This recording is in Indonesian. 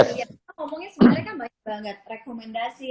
ngomongin sebenarnya kan banyak banget rekomendasi